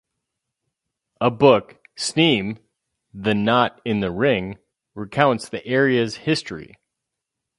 A book, "Sneem, The Knot in the Ring", recounts the area's history.